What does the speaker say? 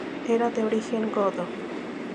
Era de origen godo.